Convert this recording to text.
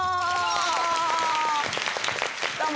どうも。